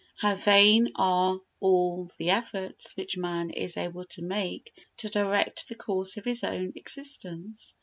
How vain are all the efforts which man is able to make to direct the course of his own existence!